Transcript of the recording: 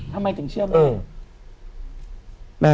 ทำไมถึงเชื่อแม่